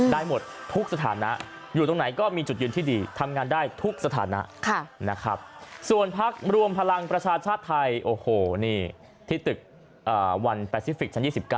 ได้หมดทุกสถานะอยู่ตรงไหนก็มีจุดยืนที่ดีทำงานได้ทุกสถานะนะครับส่วนพักรวมพลังประชาชาติไทยโอ้โหนี่ที่ตึกวันแปซิฟิกชั้น๒๙